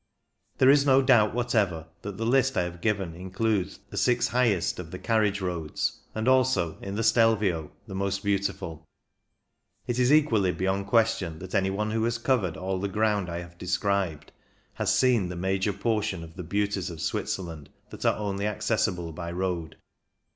There is no doubt whatever that the list I have given includes the six highest of the carriage roads, and also, in the Stelvio, the most beautiful. It is equally beyond question 178 OTHER PASSES 179 that anyone who has covered all the ground I have described has seen the major portion of the beauties of Switzerland that are only accessible by road.